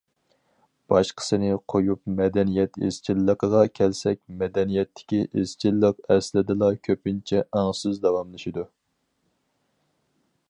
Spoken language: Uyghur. باشقىسىنى قويۇپ مەدەنىيەت ئىزچىللىقىغا كەلسەك، مەدەنىيەتتىكى ئىزچىللىق ئەسلىدىلا كۆپىنچە ئاڭسىز داۋاملىشىدۇ.